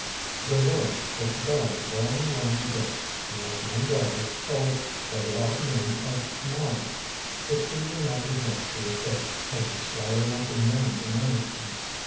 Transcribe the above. "There was, but she died long, long ago. He has one daughter, called by the odd name of Mara. But she will not inherit the estates, as the Squire wants a man to manage them.